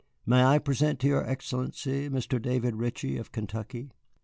May I present to your Excellency, Mr. David Ritchie of Kentucky?"